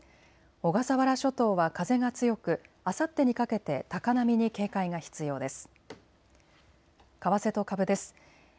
小笠原諸島は風が強くあさってにかけて高波に警戒が必要です。